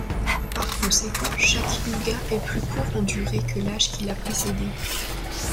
Par conséquent, chaque yuga est plus court en durée que l'âge qui l'a précédé.